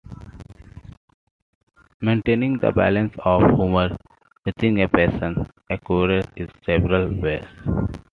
Maintaining the balance of humors within a patient occurred in several ways.